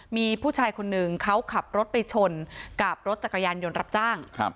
มีผู้ชายคนหนึ่งเขาขับรถไปชนกับรถจักรยานยนต์รับจ้าง